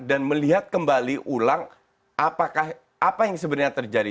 dan melihat kembali ulang apa yang sebenarnya terjadi